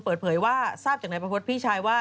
เปิดเผยว่าทราบจากนายประพฤติพี่ชายว่า